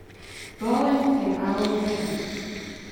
Bowen, and Alan Plater.